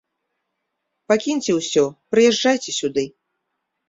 Пакіньце ўсё, прыязджайце сюды.